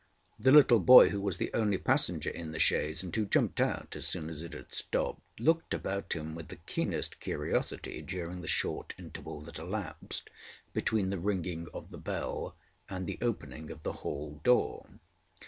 The little boy who was the only passenger in the chaise, and who jumped out as soon as it had stopped, looked about him with the keenest curiosity during the short interval that elapsed between the ringing of the bell and the opening of the hall door.